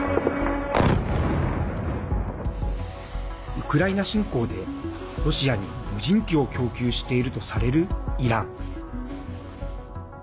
ウクライナ侵攻でロシアに無人機を供給しているとされるイラン。